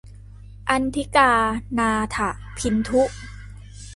อันธิกา นาถะพินธุ